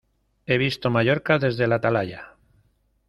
¡He visto Mallorca desde la Atalaya!